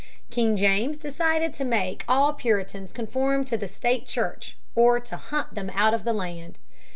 King James decided to make all Puritans conform to the State Church or to hunt them out of the land.